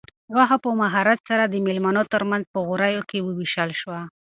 غوښه په مهارت سره د مېلمنو تر منځ په غوریو کې وویشل شوه.